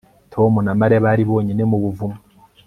Tom na Mariya bari bonyine mu buvumo